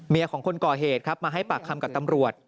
เมียของคนก่อเหตุมาให้ปากคำกับตำรวจ